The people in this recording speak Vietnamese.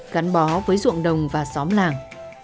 vận bó với ruộng đồng và xóm làng